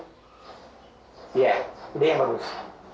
oh ya dia yang bagus